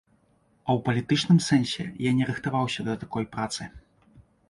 А ў палітычным сэнсе я не рыхтаваўся да такой працы.